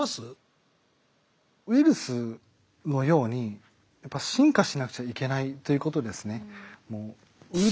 ウイルスのようにやっぱ進化しなくちゃいけないということですね。